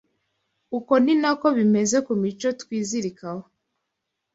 Uko ni na ko bimeze ku mico twizirikaho